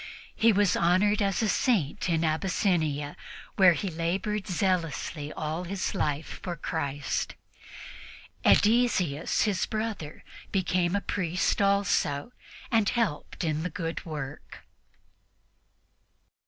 He was honored as a Saint in Abyssinia, where he labored zealously all his life for Christ. Ædesius, his brother, became a priest also and helped in the good work.